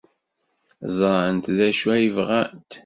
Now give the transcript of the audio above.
Ẓrant d acu ay bɣant.